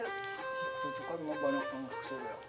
itu kan emak banyak banyak yang kesuruh aku